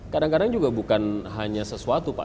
kadang kadang juga bukan hanya sesuatu pak